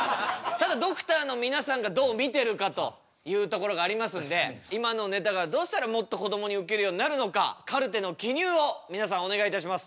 ただドクターの皆さんがどう見てるかというところがありますので今のネタがどうしたらもっとこどもにウケるようになるのかカルテの記入を皆さんお願いいたします。